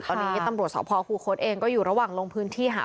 ตอนนี้ตำรวจพคุณโค้นเองก็อยู่ระหว่างลงพื้นที่หาข้อมูล